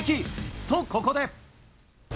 と、ここで。